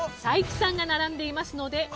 才木さんが並んでいますので。